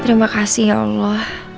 terima kasih ya allah